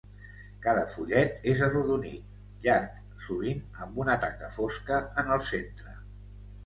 Cada fullet és arrodonit, llarg, sovint amb una taca fosca en el centre.